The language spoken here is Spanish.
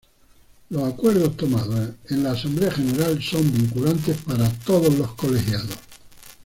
Los acuerdos tomados en Asamblea General son vinculantes para todos los colegiados.